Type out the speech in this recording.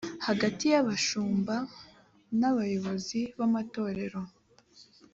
hagati y abashumba n abayobozi b amatorero